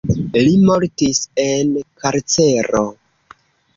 Li mortis en karcero.